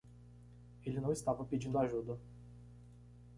Ele não estava pedindo ajuda.